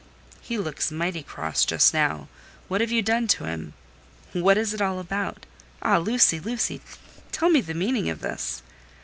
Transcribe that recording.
"He looks mighty cross just now: what have you done to him? What is it all about? Ah, Lucy, Lucy! tell me the meaning of this."